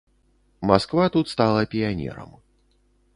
Масква тут стала піянерам.